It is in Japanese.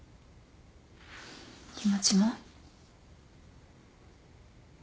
気持ちも？